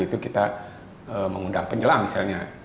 itu kita mengundang penyelam misalnya